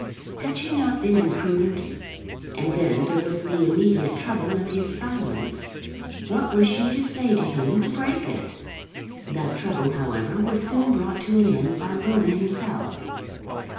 Had she not been imprudent? And then there was the immediate trouble of his silence. What was she to say to him to break it? That trouble, however, was soon brought to an end by Rowan himself.